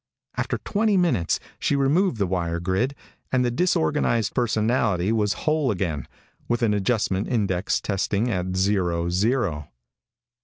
After twenty minutes she removed the wire grid, and the disorganized personality was whole again, with an adjustment index testing at zero zero.